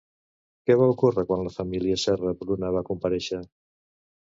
Què va ocórrer quan la família Serra-Bruna va comparèixer?